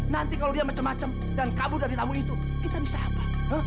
nanti kalau dia macam macam dan kabur dari tamu itu kita bisa apa